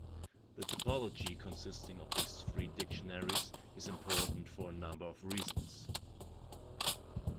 The typology consisting of these three dictionaries is important for a number of reasons.